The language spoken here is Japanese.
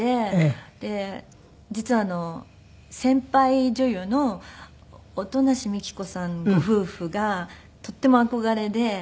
で実は先輩女優の音無美紀子さんご夫婦がとっても憧れで。